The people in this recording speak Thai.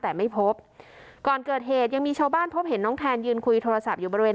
แต่ไม่พบก่อนเกิดเหตุยังมีชาวบ้านพบเห็นน้องแทนยืนคุยโทรศัพท์อยู่บริเวณ